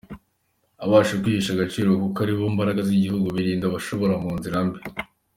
Abasaba Kwihesha agaciro kuko aribo mbaraga z’igihugu, birinda ababashora mu nzira mbi.